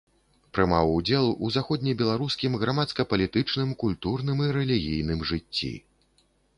Прымаў удзел у заходнебеларускім грамадска-палітычным, культурным і рэлігійным жыцці.